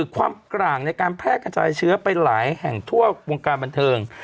กลางในการแพร่กระจายเชื้อไปหลายแห่งทั่ววงการบันเทิง